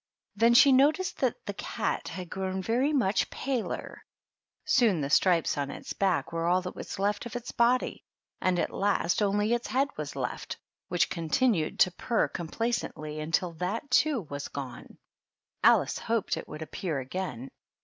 Then she noticed that the cat had grown very much paler ; soon the stripes on its back were all that was left of its body, and at last only its head was left, which continued to purr complacently until that too was gone. Alice hoped it would appear again.